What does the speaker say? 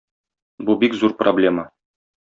Бу бик зур проблема.